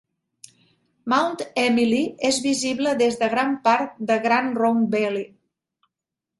Mount Emily és visible des de gran part de Grande Ronde Valley.